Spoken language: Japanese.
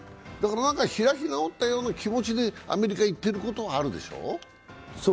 開き直ったような気持ちでアメリカ行ってることはあるでしょ？